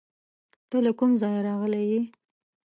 ته له کوم ځایه راغلی یې؟